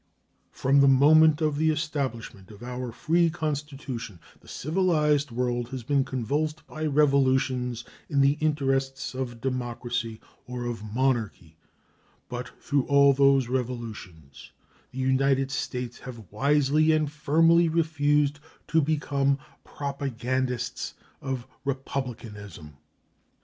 From the moment of the establishment of our free Constitution the civilized world has been convulsed by revolutions in the interests of democracy or of monarchy, but through all those revolutions the United States have wisely and firmly refused to become propagandists of republicanism.